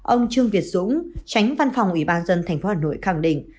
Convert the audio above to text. ông trương việt dũng tránh văn phòng ủy ban dân thành phố hà nội khẳng định